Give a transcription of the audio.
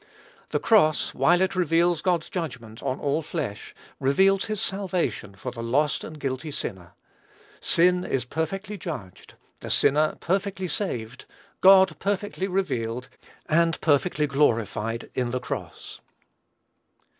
The cross, while it reveals God's judgment upon "all flesh," reveals his salvation for the lost and guilty sinner. Sin is perfectly judged, the sinner perfectly saved, God perfectly revealed, and perfectly glorified, in the cross.